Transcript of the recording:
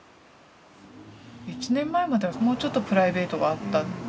１年前まではもうちょっとプライベートがあった。